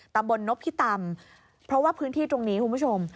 บนนพิตำเพราะว่าพื้นที่ตรงนี้คุณผู้ชม